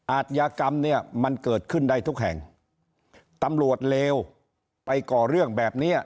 อาจยากรรมเนี่ยมันเกิดขึ้นได้ทุกแห่งตำรวจเลวไปก่อเรื่องแบบเนี้ย